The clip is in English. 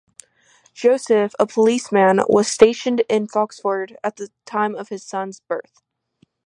Joseph, a policeman, was stationed in Foxford at the time of his son's birth.